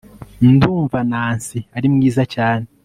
ndumva nancy ari mwiza cyane